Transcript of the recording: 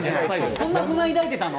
そんな不満抱いてたの？